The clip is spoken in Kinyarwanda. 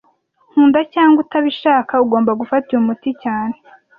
Nkunda cyangwa utabishaka, ugomba gufata uyu muti cyane